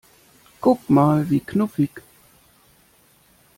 Guck mal, wie knuffig!